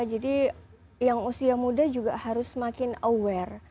jadi yang usia muda juga harus semakin aware